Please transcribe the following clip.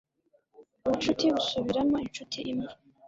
ubucuti busubiramo inshuti imwe